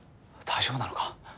大丈夫なのか？